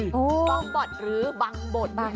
บองบดหรือบังบดบองบด